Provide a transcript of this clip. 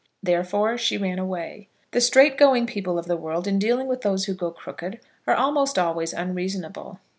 Therefore she ran away. The straight going people of the world, in dealing with those who go crooked, are almost always unreasonable.